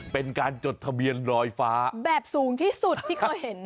เป็นการจดทะเบียนลอยฟ้าแบบสูงที่สุดที่เขาเห็น